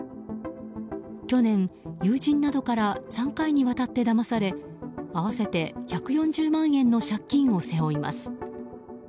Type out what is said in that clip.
去年、友人などから３回にわたってだまされ合わせて１４０万円の借金を背負います。